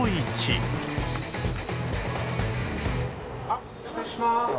あっお願いします